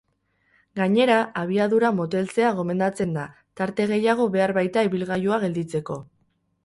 Gainera, abiadura moteltzea gomendatzen da, tarte gehiago behar baita ibilgailua gelditzeko.